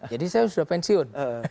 jadi saya sudah pensiun